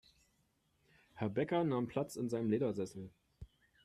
Herr Bäcker nahm Platz in seinem Ledersessel.